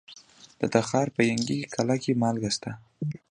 د تخار په ینګي قلعه کې مالګه شته.